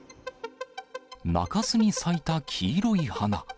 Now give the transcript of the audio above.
中州に咲いた黄色い花。